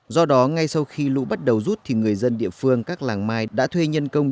do đó ngay sau khi lũ bắt đầu rút thì người dân địa phương các làng mai đã thuê nhân công